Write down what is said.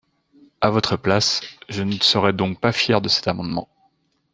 À votre place, je ne serai donc pas fier de cet amendement.